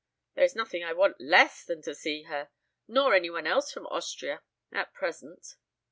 "There is nothing I want less than to see her. Nor any one else from Austria at present."